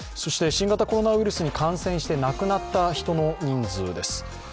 新型コロナウイルスに感染して亡くなった人の人数です。